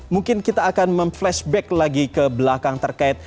mungkin kita akan mem flashback lagi ke belakang terkait